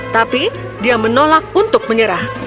tapi dia menolak untuk menyerah